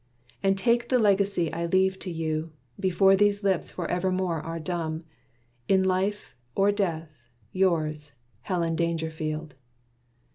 And take the legacy I leave to you, Before these lips forevermore are dumb. In life or death, Yours, Helen Dangerfield."